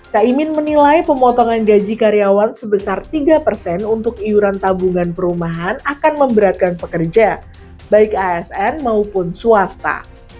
caimin menilai pemotongan gaji karyawan sebesar tiga persen untuk iuran tabungan perumahan akan memberatkan pekerja baik asn maupun swasta